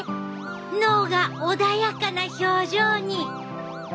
脳が穏やかな表情に！